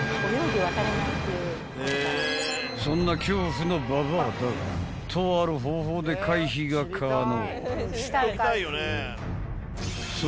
［そんな恐怖のババアだがとある方法で回避が可能］